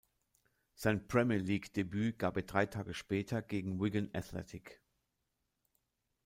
Sein Premier-League-Debüt gab er drei Tage später gegen Wigan Athletic.